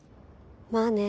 まあね。